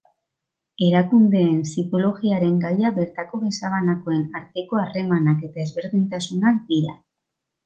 Erakundeen psikologiaren gaia bertako gizabanakoen arteko harremanak eta ezberdintasunak dira.